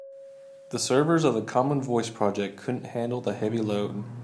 The servers of the common voice project couldn't handle the heavy load.